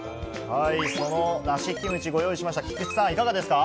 その梨キムチ、ご用意しました、菊池さん、いかがですか？